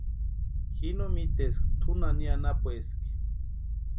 Ji no miteska tʼu nani anapueski.